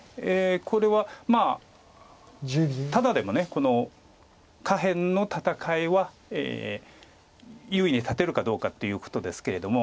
これはまあただでもこの下辺の戦いは優位に立てるかどうかっていうことですけれども。